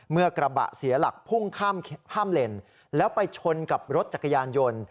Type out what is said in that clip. เมื่อกระบะเสียหลักพุ่งข้ามเลนแล้วไปชนกับรถจักรยานยนต์